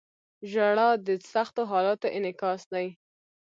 • ژړا د سختو حالاتو انعکاس دی.